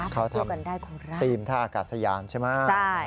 เขาทำธีมท่าอากาศยานใช่ไหม